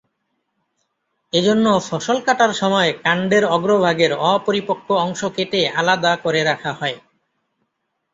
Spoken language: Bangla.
এজন্য ফসল কাটার সময় কান্ডের অগ্রভাগের অপরিপক্ক অংশ কেটে আলাদা করে রাখা হয়।